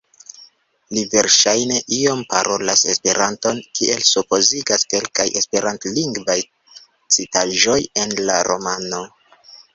Li verŝajne iom parolas Esperanton, kiel supozigas kelkaj esperantlingvaj citaĵoj en la romano.